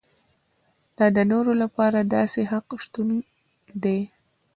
دا د نورو لپاره د داسې حق شتون دی.